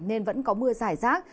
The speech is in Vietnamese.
nên vẫn có mưa giải rác